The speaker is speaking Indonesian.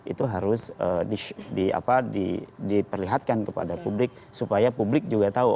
itu harus diperlihatkan kepada publik supaya publik juga tahu